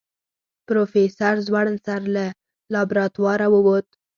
پروفيسر ځوړند سر له لابراتواره ووت.